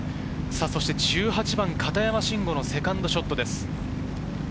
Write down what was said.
１８番、片山晋呉のセカンドショットです。